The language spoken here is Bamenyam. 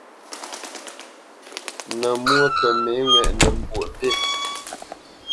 Nə̌ mwó kə mə̌ ŋwɛʼnə Mbwoʼmbî.